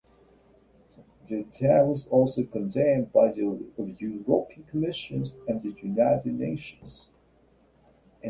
The attack was also condemned by the European Commission and the United Nations.